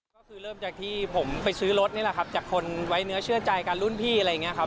ก็คือเริ่มจากที่ผมไปซื้อรถนี่แหละครับจากคนไว้เนื้อเชื่อใจกันรุ่นพี่อะไรอย่างนี้ครับ